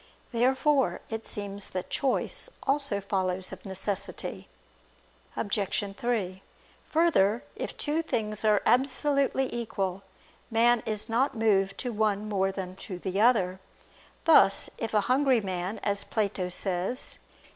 Therefore it seems that choice also follows of necessity. Obj. 3: Further, if two things are absolutely equal, man is not moved to one more than to the other; thus if a hungry man, as Plato says (Cf.